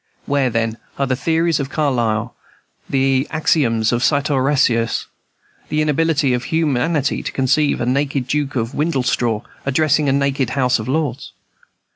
Where, then, are the theories of Carlyle, the axioms of "Sartor Resartus," the inability of humanity to conceive "a naked Duke of Windlestraw addressing a naked House of Lords"?